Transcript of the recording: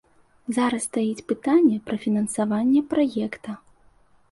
Зараз стаіць пытанне пра фінансаванне праекта.